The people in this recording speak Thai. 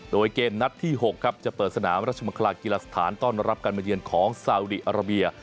โดยเกมนัดที่๖ครับจะเปิดสนามราชมังคลากีฬาสถานต้อนรับการมาเยือนของซาวดีอาราเบีย